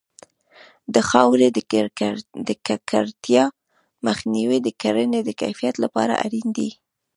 د خاورې د ککړتیا مخنیوی د کرنې د کیفیت لپاره اړین دی.